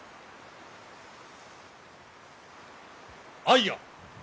あいや。